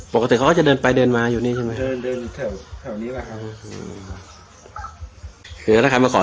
ปกติเขาก็จะเดินไปเดินมาอยู่นี่ใช่ไหมเบอร์นเดินที่สำหรับ